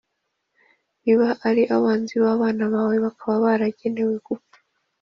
Niba abari abanzi b’abana bawe, bakaba baragenewe gupfa,